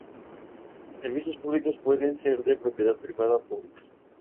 Los servicios públicos pueden ser de propiedad privada o pública.